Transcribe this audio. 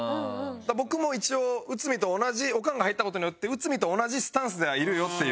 僕も一応内海と同じオカンが入った事によって内海と同じスタンスではいるよっていう。